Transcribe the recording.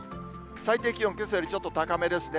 最低気温、けさよりちょっと高めですね。